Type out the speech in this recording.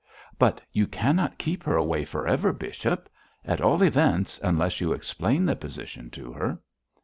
'But you cannot keep her away for ever, bishop! at all events, unless you explain the position to her.'